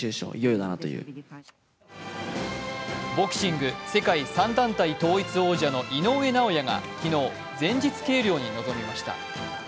ボクシング世界３団体統一王者の井上尚弥が、昨日、前日計量に臨みました。